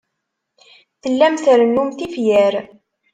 Tellam trennum tifyar.